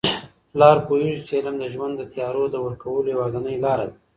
پلار پوهیږي چي علم د ژوند د تیارو د ورکولو یوازینۍ لاره ده.